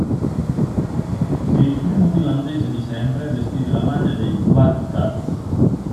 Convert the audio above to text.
È il primo finlandese di sempre a vestire la maglia dei "Black Cats".